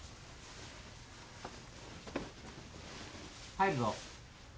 ・入るぞ。